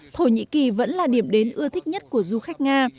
thổ nhĩ kỳ vẫn là điểm đến ưa thích nhất của du khách nga